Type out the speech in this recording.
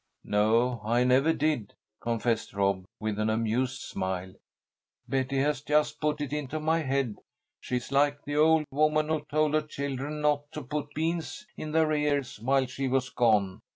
"No, I never did," confessed Rob, with an amused smile. "Betty has just put it into my head. She is like the old woman who told her children not to put beans in their ears while she was gone.